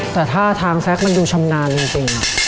แต่ท่าทางแซคมันดูชำนาญจริง